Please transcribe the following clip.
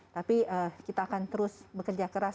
tapi kita akan terus bekerja keras